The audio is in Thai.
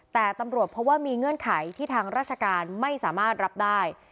แต่ตำรวจเพราะว่ามีเงื่อนไขที่ทางราชการไม่สามารถรับได้